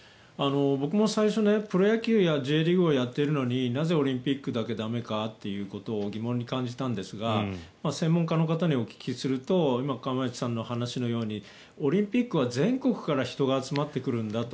僕も最初プロ野球やＪリーグをやっているのになぜオリンピックだけ駄目かということを疑問に感じたんですが専門家の方にお聞きしますと今、釜萢さんのお話のようにオリンピックは全国から人が集まってくるんだと。